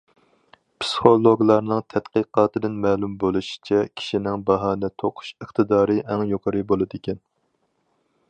پىسخولوگلارنىڭ تەتقىقاتىدىن مەلۇم بولۇشىچە، كىشىنىڭ باھانە توقۇش ئىقتىدارى ئەڭ يۇقىرى بولىدىكەن.